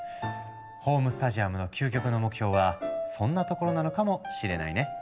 ホームスタジアムの究極の目標はそんなところなのかもしれないね。